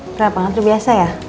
pernah pengantre biasa ya